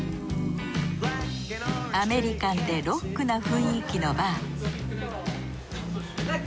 アメリカンでロックな雰囲気のバー